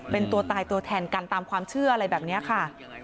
เป็นตัวตายตัวแทนกันตามความเชื่ออะไรแบบนี้ค่ะ